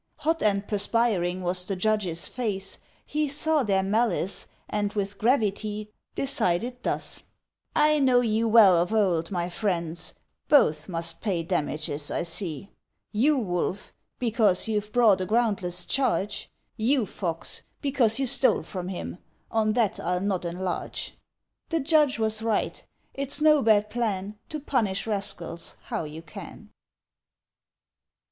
Hot and perspiring was the judge's face, He saw their malice, and, with gravity, Decided thus: "I know you well of old, my friends, Both must pay damages, I see; You, Wolf, because you've brought a groundless charge: You, Fox, because you stole from him; on that I'll not enlarge." The judge was right; it's no bad plan, To punish rascals how you can.